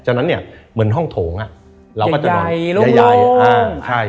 ฉะนั้นเนี่ยเหมือนห้องโถงใหญ่ลง